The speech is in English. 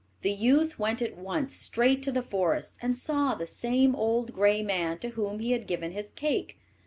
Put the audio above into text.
The youth went at once straight to the forest, and saw the same old gray man to whom he had given his cake.